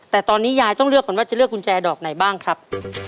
แต่ตอนนี้ยายต้องเลือกก่อนว่าจะเลือกกุญแจดอกไหนบ้างครับ